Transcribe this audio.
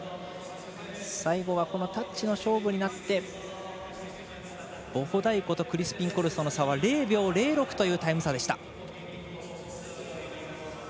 最後はタッチの勝負になってボホダイコとクリスピンコルソの差は０秒０６というタイム差でした。